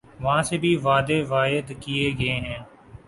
وہاں سے بھی وعدے وعید کیے گئے ہیں۔